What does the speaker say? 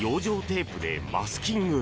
テープでマスキング。